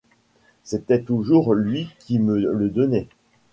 C'était toujours lui qui me le donnait.